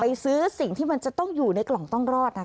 ซื้อสิ่งที่มันจะต้องอยู่ในกล่องต้องรอดนะคะ